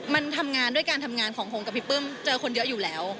มันทำงานด้วยการทำงานของหงกับพี่ปื้มเจอคนเยอะอยู่แล้ว